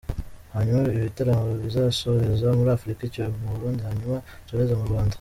Hanyuma ibitaramo bizasoreza muri Afurika, icyo mu Burundi hanyuma nsoreze mu Rwanda.